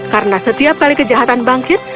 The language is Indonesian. karena setiap kali kejahatan bangkit